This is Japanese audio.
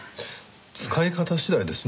使い方次第ですね